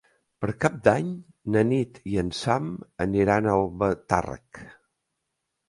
Per Cap d'Any na Nit i en Sam aniran a Albatàrrec.